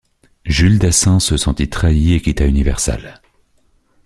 Jules Dassin se sentit trahi et quitta Universal.